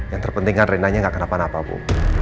yang terpenting kan reina nya gak kena panah apa bu